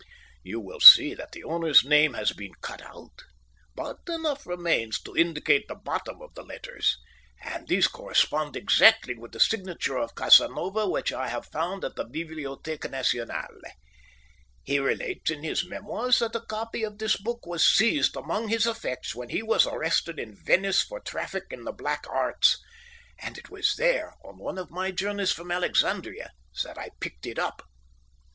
You will see that the owner's name had been cut out, but enough remains to indicate the bottom of the letters; and these correspond exactly with the signature of Casanova which I have found at the Bibliothéque Nationale. He relates in his memoirs that a copy of this book was seized among his effects when he was arrested in Venice for traffic in the black arts; and it was there, on one of my journeys from Alexandria, that I picked it up."